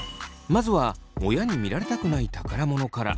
まずは親に見られたくない宝物から。